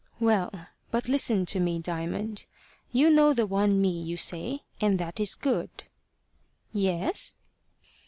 "Well, but listen to me, Diamond. You know the one me, you say, and that is good." "Yes."